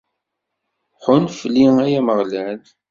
Ḥunn fell-i, ay Ameɣlal!